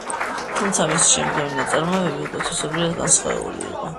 თუმცა მისი შემდგომი ნაწარმოებები უკვე თვისობრივად განსხვავებული იყო.